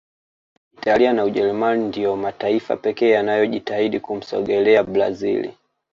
italia na Ujerumani ndiyo mataifa pekee yanayojitahidi kumsogelea brazil